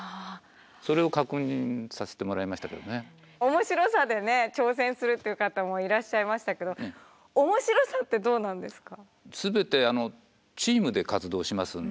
面白さでね挑戦するっていう方もいらっしゃいましたけど面白さってどうなんですか？